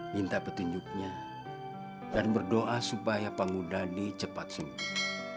minta petunjuknya dan berdoa supaya pangu dhani cepat sembuh